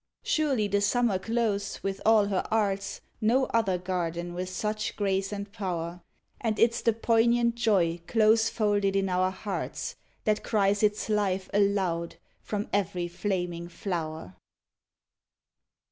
Surely the summer clothes, with all her arts, No other garden with such grace and power; And 'tis the poignant joy close folded in our hearts That cries its life aloud from every flaming flower.